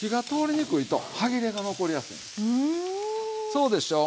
そうでしょ？